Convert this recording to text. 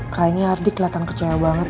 kayaknya ardi keliatan kecewa banget deh